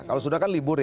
kalau sudah kan libur ya